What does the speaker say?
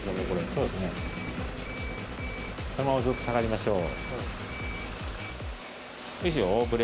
そのままずっと下がりましょう。